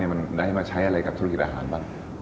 มันได้มาใช้อะไรกับธุรกิจอาหารบ้าง